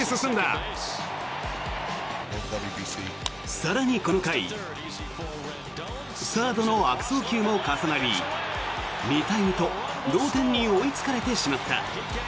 更にこの回サードの悪送球も重なり２対２と同点に追いつかれてしまった。